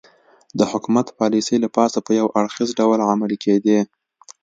د حکومت پالیسۍ له پاسه په یو اړخیز ډول عملي کېدې